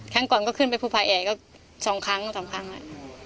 ครั้งกวันก็ขึ้นไปภูผาแอกก็สองครั้งสองครั้งอ่ะ